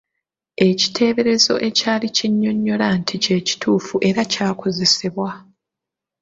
Ekiteeberezo ekyali kinnyonnyola nti kye kituufu eraky'akozesebwa.